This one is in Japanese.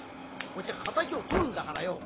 こっちは敵を取るんだからよ。